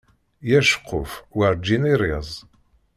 Yir ceqquf werǧin iṛṛiẓ.